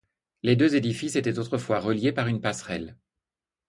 Les deux édifices étaient autrefois reliés par une passerelle.